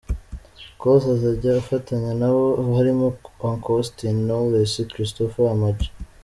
Close azajya afatanya nabo harimo Uncle Austin, Knowless, Christopher, Ama G.